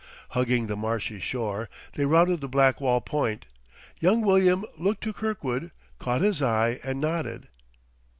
Hugging the marshy shore, they rounded the Blackwall Point. Young William looked to Kirkwood, caught his eye, and nodded.